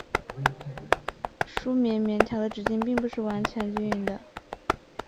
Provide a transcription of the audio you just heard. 梳棉棉条的直径并不是完全均匀的。